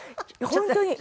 本当に。